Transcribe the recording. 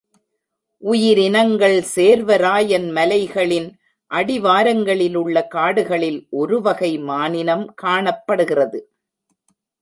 உயிரினங்கள் சேர்வராயன் மலைகளின் அடிவாரங்களிலுள்ள காடுகளில் ஒருவகை மானினம் காணப்படுகிறது.